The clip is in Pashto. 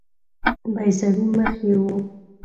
بیضوي مخ یې وو.